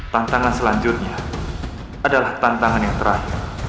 tantangan selanjutnya adalah tantangan yang terakhir